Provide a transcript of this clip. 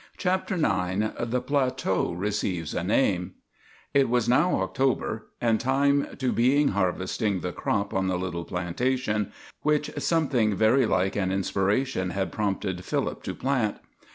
CHAPTER IX THE PLATEAU RECEIVES A NAME It was now October, and time to being harvesting the crop on the little plantation, which something very like an inspiration had prompted Philip to plant.